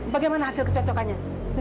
bagaimana hasil kecocokannya